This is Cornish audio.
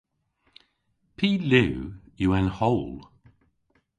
Py liw yw an howl?